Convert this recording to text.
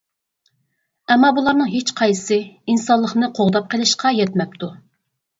ئەمما بۇلارنىڭ ھېچقايسىسى ئىنسانلىقنى قوغداپ قېلىشقا يەتمەپتۇ.